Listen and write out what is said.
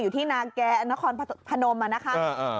อยู่ที่นาแกนครพนมมานะคะ